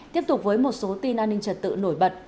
tiếp tục với một số tin an ninh trật tự nổi bật